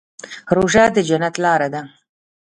روژه د جنت لاره ده.